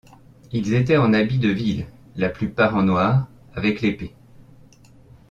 Ils étaient en habit de ville, la plupart en noir, avec l’épée.